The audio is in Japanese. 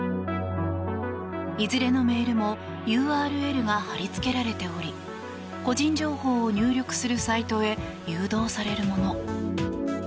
いずれのメールもＵＲＬが貼り付けられており個人情報を入力するサイトへ誘導されるもの。